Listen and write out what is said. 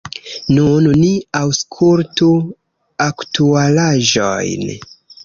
Nun ni aŭskultu aktualaĵojn.